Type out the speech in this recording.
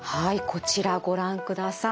こちらご覧ください。